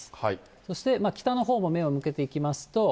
そして北のほうも目を向けていきますと。